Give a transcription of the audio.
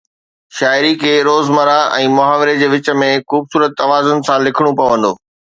شاعري کي روزمرهه ۽ محاوري جي وچ ۾ خوبصورت توازن سان لکڻو پوندو